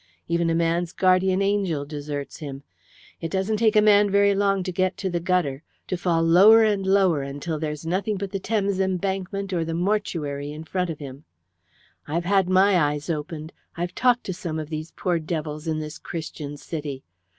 Even a man's guardian angel deserts him. It doesn't take a man very long to get to the gutter, to fall lower and lower until there's nothing but the Thames Embankment or the mortuary in front of him. I've had my eyes opened I've talked to some of these poor devils in this Christian city.